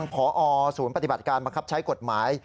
พอศูนย์ปฏิบัติการบังคับใช้กฎหมาย